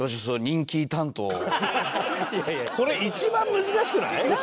いやいやそれ一番難しくない？